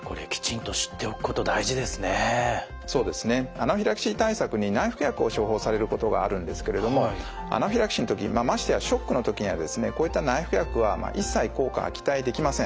アナフィラキシー対策に内服薬を処方されることがあるんですけれどもアナフィラキシーの時にましてやショックの時にはですねこういった内服薬は一切効果は期待できません。